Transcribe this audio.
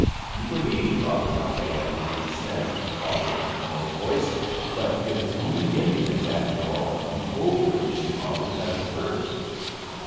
"You believe Father Rafael," Luis said, always in a low voice; "but it was only Indians, after all, who told the mission fathers at the first."